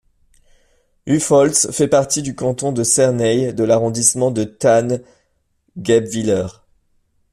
Uffholtz fait partie du canton de Cernay et de l'arrondissement de Thann-Guebwiller.